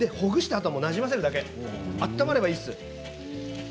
あとなじませるだけ。温まればいいです。